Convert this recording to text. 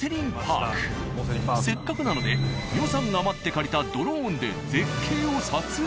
せっかくなので予算が余って借りたドローンで絶景を撮影。